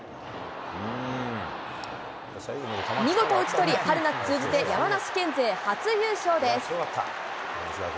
見事打ち取り、春夏通じて山梨県勢初優勝です。